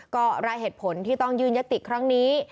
ก็รายเหตุผลที่ต้องยื่นยติครั้งนี้